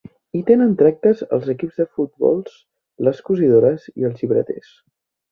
Hi tenen tractes els equips de futbols, les cosidores i els llibreters.